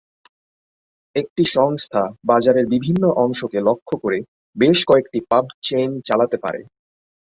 একটি সংস্থা বাজারের বিভিন্ন অংশকে লক্ষ্য করে বেশ কয়েকটি পাব চেইন চালাতে পারে।